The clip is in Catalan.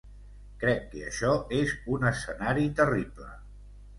Crec que això és un escenari terrible.